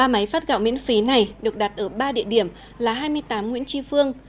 ba máy phát gạo miễn phí này được đặt ở ba địa điểm là hai mươi tám nguyễn tri phương